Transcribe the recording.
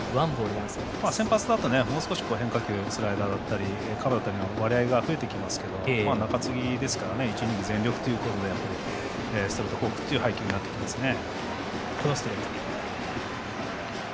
先発だったらもうちょっとスライダーなんかの割合が増えてきますけど中継ぎですから１イニング全力ということでストレート、フォークという配球になってきますね。